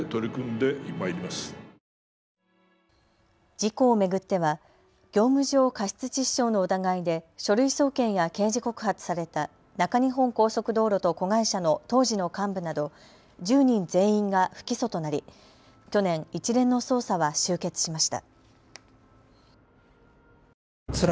事故を巡っては業務上過失致死傷の疑いで書類送検や刑事告発された中日本高速道路と子会社の当時の幹部など１０人全員が不起訴となり去年、一連の捜査は終結しました。